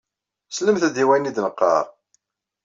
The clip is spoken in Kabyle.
Slemt-d i wayen i d-neqqaṛ!